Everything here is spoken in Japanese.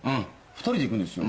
２人で行くんですよ。